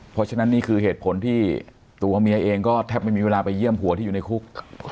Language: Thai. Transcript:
เพราะฉะนั้นนี่คือเหตุผลที่ตัวเมียเองก็แทบไม่มีเวลาไปเยี่ยมผัวที่อยู่ในคุก